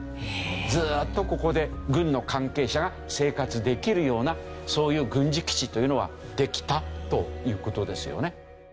ずっとここで軍の関係者が生活できるようなそういう軍事基地というのはできたという事ですよね。